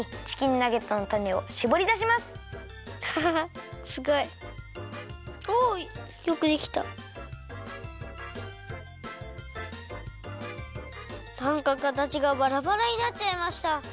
なんかかたちがばらばらになっちゃいました。